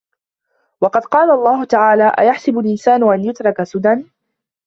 وَقَدْ قَالَ اللَّهُ تَعَالَى أَيَحْسَبُ الْإِنْسَانُ أَنْ يُتْرَكَ سُدًى